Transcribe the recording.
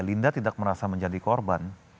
linda tidak merasa menjadi korban